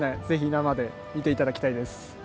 ぜひ生で見ていただきたいです。